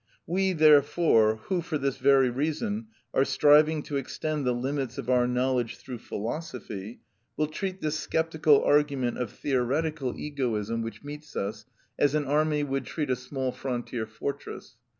We therefore who, for this very reason, are striving to extend the limits of our knowledge through philosophy, will treat this sceptical argument of theoretical egoism which meets us, as an army would treat a small frontier fortress.